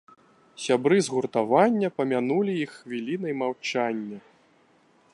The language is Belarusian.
Сябры згуртавання памянулі іх хвілінай маўчання.